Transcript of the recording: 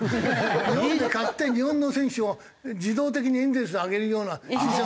日本で買って日本の選手を自動的にエンゼルスにあげるようなシステム。